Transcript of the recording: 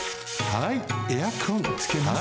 はいエアコンつけます。